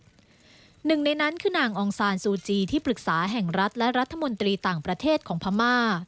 หนึ่งในนั้นคือนางองซานซูจีที่ปรึกษาแห่งรัฐและรัฐมนตรีต่างประเทศของพม่า